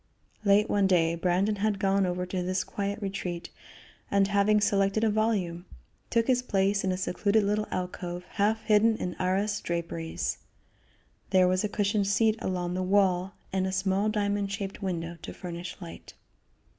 Late one day Brandon had gone over to this quiet retreat, and having selected a volume, took his place in a secluded little alcove half hidden in arras draperies. There was a cushioned seat along the wall and a small diamond shaped window to furnish light.